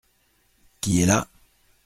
Qui est là ?